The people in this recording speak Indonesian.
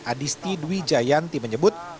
adisti dwi jayanti menyebut